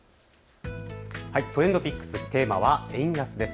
ＴｒｅｎｄＰｉｃｋｓ、テーマは円安です。